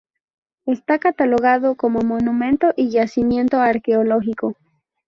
Está catalogado como Monumento y Yacimiento arqueológico.